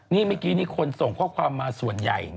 นี่เมื่อกี้นี่คนส่งข้อความมาส่วนใหญ่